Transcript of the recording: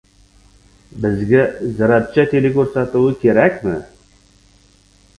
Bizga «Zirapcha» teleko‘rsatuvi kerakmi?